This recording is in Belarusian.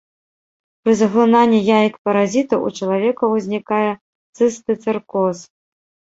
Пры заглынанні яец паразіта ў чалавека ўзнікае цыстыцэркоз.